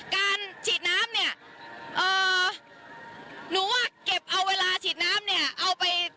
การฉีดน้ำเนี่ยเอ่อหนูว่าเก็บเอาเวลาฉีดน้ำเนี่ยเอาไป